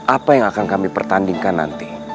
apa yang akan kami pertandingkan nanti